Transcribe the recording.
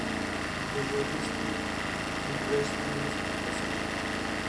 Periodista en diversos medios de comunicación.